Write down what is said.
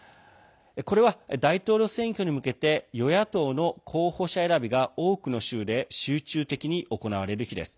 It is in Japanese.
これは、大統領選挙に向けて与野党の候補者選びが多くの州で集中的に行われる日です。